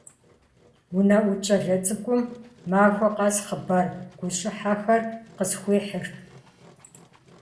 УнэӀут щӀалэ цӀыкӀум махуэ къэс хъыбар гущӀыхьэхэр къысхуихьырт.